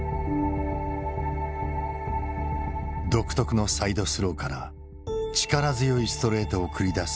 独特のサイドスローから力強いストレートを繰り出す